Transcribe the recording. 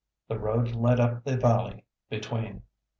The road led up the valley between.